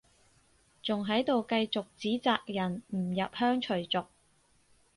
仲喺度繼續指責人唔入鄉隨俗